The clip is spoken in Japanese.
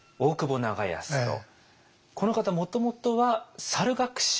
この方もともとは猿楽師。